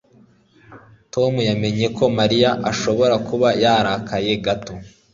Tom yamenye ko Mariya ashobora kuba yararakaye gato.